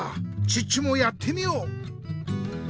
チッチもやってみよう！